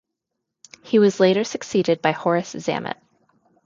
He was later succeeded by Horace Zammit.